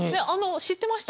知ってました？